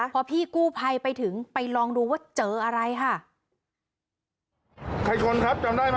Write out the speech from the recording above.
พอพี่กู้ภัยไปถึงไปลองดูว่าเจออะไรค่ะ